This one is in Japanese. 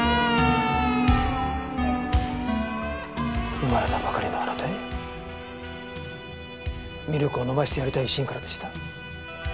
生まれたばかりのあなたにミルクを飲ませてやりたい一心からでした。